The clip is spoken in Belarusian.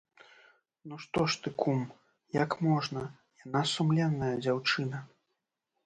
Ну, што ж ты, кум, як можна, яна сумленная дзяўчына.